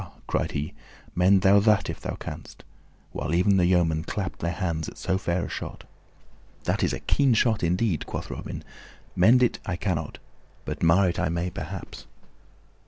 cried he, "mend thou that if thou canst;" while even the yeomen clapped their hands at so fair a shot. "That is a keen shot indeed," quoth Robin. "Mend it I cannot, but mar it I may, perhaps."